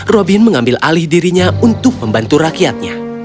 robin mengambil alih dirinya untuk membantu rakyatnya